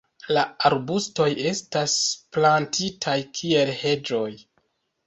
La arbustoj estas plantitaj kiel heĝoj.